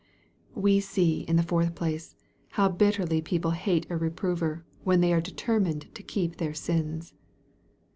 We see, in the fourth place, how Utterly people hate a reprover ', when they are determined to keep their sins.